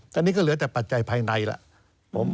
ตอนนี้ก็เหลือแต่ปัจจัยภายในแล้ว